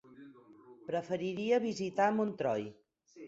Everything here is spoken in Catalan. Preferiria visitar Montroi.